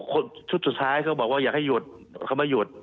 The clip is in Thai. ชุดสุดท้ายเขาบอกว่าอยากให้หยุดเขาไม่หยุด